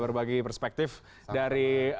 berbagi perspektif dari